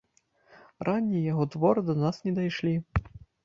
Раннія яго творы да нас не дайшлі.